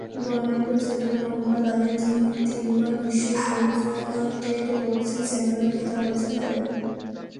বর্ণাঢ্য জীবনে Muhammad Ali তিনবার বিশ্ব হেভিওয়েট বক্সিং চ্যাম্পিয়নের খেতাব অর্জন করেন।